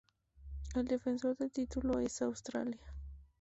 El defensor del título es Australia.